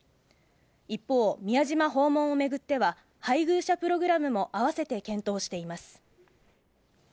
一方、宮島訪問をめぐっては配偶者プログラムもあわせて検討しています。